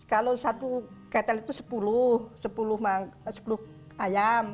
kalau satu ketel itu sepuluh ayam